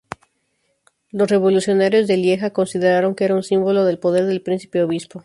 Los revolucionarios de Lieja consideraron que era un símbolo del poder del príncipe obispo.